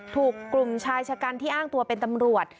ถูกกลุ่มชายชะกันที่อ้างตัวเป็นตำรวจ